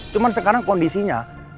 cuman sekarang kondisinya